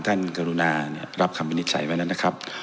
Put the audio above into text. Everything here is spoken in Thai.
ท่านกรุณาเนี่ยรับคำวินิจฉัยมานั้นนะครับ